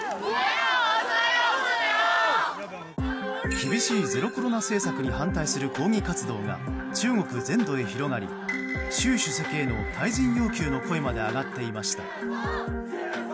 厳しいゼロコロナ政策に反対する抗議活動が中国全土へ広がり習主席への退陣要求の声まで上がっていました。